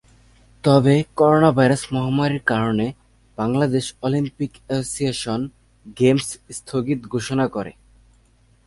তবে করোনাভাইরাস মহামারীর কারণে বাংলাদেশ অলিম্পিক অ্যাসোসিয়েশন গেমস স্থগিত ঘোষণা করে।